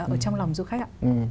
ở trong lòng du khách ạ